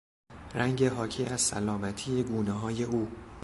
رنگ حاکی از سلامتی گونههای او